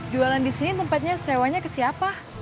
jualan disini tempatnya sewanya ke siapa